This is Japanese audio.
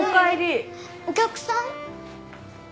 お客さん？